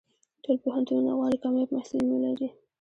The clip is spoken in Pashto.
ټول پوهنتونونه غواړي کامیاب محصلین ولري.